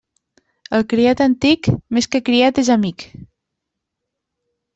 El criat antic, més que criat és amic.